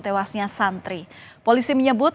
tewasnya santri polisi menyebut